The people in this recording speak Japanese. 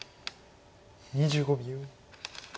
２５秒。